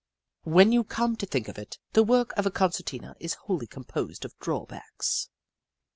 When you com.e to think of it, the work of a concertina is wholly composed of drawbacks.